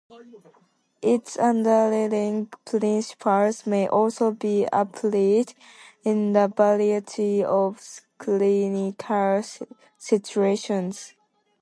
Its underlying principles may also be applied in a variety of clinical situations.